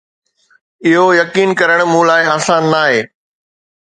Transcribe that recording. اهو يقين ڪرڻ مون لاء آسان ناهي